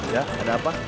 ya ada apa